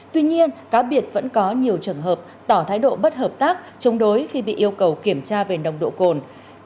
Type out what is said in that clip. tuy nhiên cá biệt vẫn có nhiều trường hợp tỏ thái độ bất hợp tác chống đối khi bị yêu cầu kiểm tra về nồng độ cồn